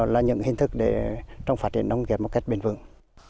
là những hình thức để trong phát triển nông nghiệp một cách bền vững